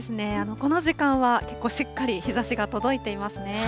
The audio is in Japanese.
この時間は結構しっかり日ざしが届いてますね。